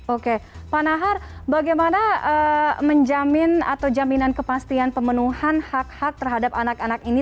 oke pak nahar bagaimana menjamin atau jaminan kepastian pemenuhan hak hak terhadap anak anak ini